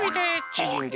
ちぢんで。